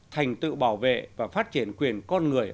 thành tự bảo vệ và phát triển quyền con người